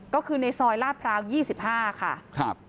ก็คือในซอยลาดพร้าวยี่สิบห้าค่ะครับ